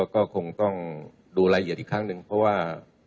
ก็คงต้องดูรายละเอียดอีกครั้งหนึ่งเพราะว่า